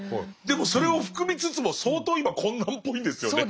でもそれを含みつつも相当今困難っぽいんですよね。